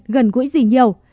gần gũi gì nhiều